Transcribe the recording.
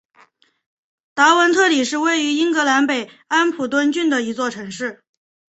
达文特里是位于英格兰北安普敦郡的一座城市。